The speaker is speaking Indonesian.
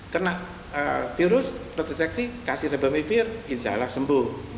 kena virus terdeteksi kasih bemevir insya allah sembuh